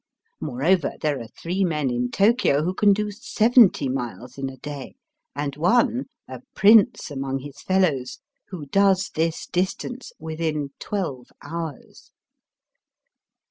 Moreover, there are three men in Tokio who can do seventy miles in a day, and one, a prince among his fellows, who does this distance within twelve hours.